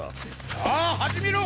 さあ始めろ！